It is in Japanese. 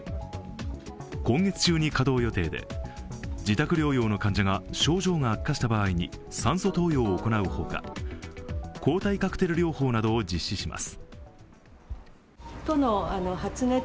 今月中に稼働予定で、自宅療養の患者が症状が悪化した場合酸素投与を行うほか抗体カクテル療法などを実施します。